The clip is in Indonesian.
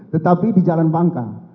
tetapi di jalan bangka